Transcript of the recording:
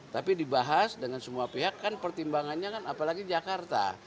tapi dibahas dengan semua pihak kan pertimbangannya kan apalagi jakarta